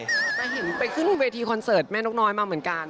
เป็นไปเครื่องเวอร์ทีคอนเสิร์ทแม่นุกน้อยมาเหมือนกัน